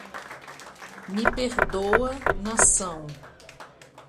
Me perdoa nação